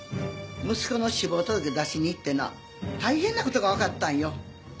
息子の死亡届出しに行ってな大変なことがわかったんよ。